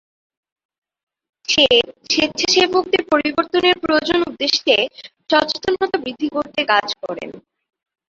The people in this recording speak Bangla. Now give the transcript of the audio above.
সে স্বেচ্ছাসেবকদের পরিবর্তনের প্রয়োজন উদ্দেশ্যে সচেতনতা বৃদ্ধি করতে কাজ করেন।